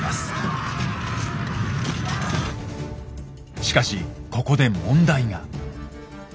しかしここで問題が。